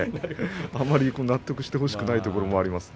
あまり納得してほしくないところもあります。